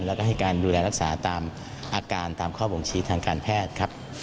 แล้วก็ให้การดูแลรักษาตามอาการตามข้อบ่งชี้ทางการแพทย์ครับ